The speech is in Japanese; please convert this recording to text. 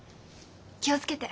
気を付けて。